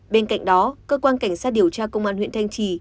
bên cạnh đó cơ quan cảnh sát điều tra công an huyện thanh trì